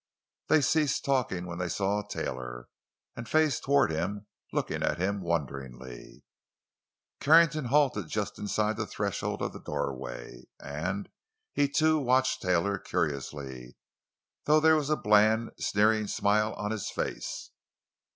They ceased talking when they saw Taylor, and faced toward him, looking at him wonderingly. Carrington halted just inside the threshold of the doorway, and he, too, watched Taylor curiously, though there was a bland, sneering smile on his face.